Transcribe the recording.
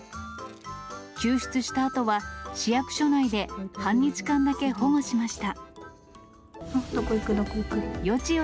救出したあとは市役所内で半日間だけ保護しました。